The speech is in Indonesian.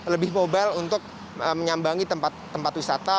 lebih mobile untuk menyambangi tempat tempat wisata